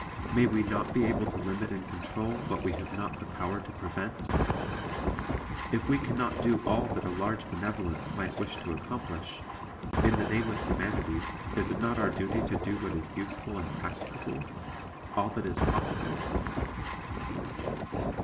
May we not be able to limit and control what we have not the power to prevent? If we can not do all that a large benevolence might wish to accomplish, in the name of humanity is it not our duty to do what is useful and practicable all that is possible?